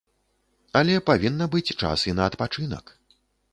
Але павінна быць час і на адпачынак.